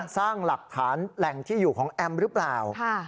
สร้างหลักฐานแหล่งที่อยู่ของแอมหรือเปล่า